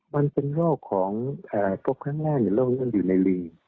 มันเป็นโรคของพวกแม่งโรคนี้อยู่ในลิงก์